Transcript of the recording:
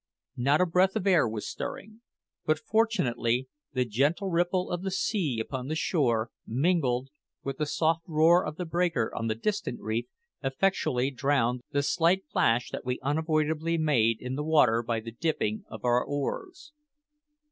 Not a breath of air was stirring; but fortunately the gentle ripple of the sea upon the shore, mingled with the soft roar of the breaker on the distant reef, effectually drowned the slight plash that we unavoidably made in the water by the dipping of our oars.